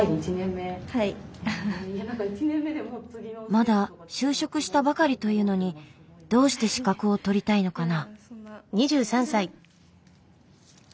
まだ就職したばかりというのにどうして資格を取りたいのかな。